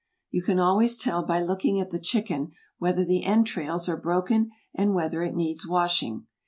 You can always tell by looking at the chicken whether the entrails are broken and whether it needs washing.